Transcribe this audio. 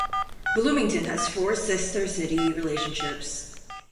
Bloomington has four sister-city relationships.